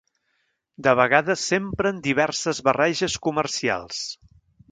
De vegades s'empren diverses barreges comercials.